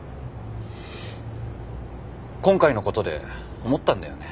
今回のことで思ったんだよね。